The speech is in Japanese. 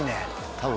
多分。